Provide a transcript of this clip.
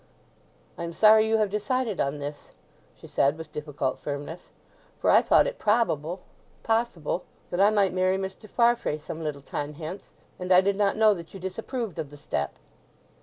"I am sorry you have decided on this," she said with difficult firmness. "For I thought it probable—possible—that I might marry Mr. Farfrae some little time hence, and I did not know that you disapproved of the step!"